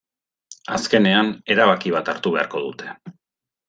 Azkenean, erabaki bat hartu beharko dute.